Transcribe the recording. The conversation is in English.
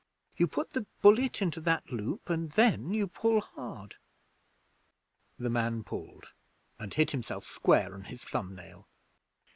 You put the bullet into that loop, and then you pull hard.' The man pulled, and hit himself square on his thumb nail.